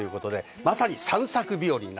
まさに散策日和。